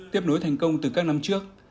tiếp nối thành công từ các năm trước